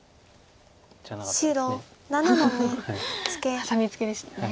ハサミツケでしたね。